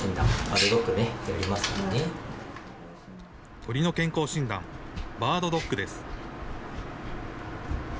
鳥の健康診断、バードドックです。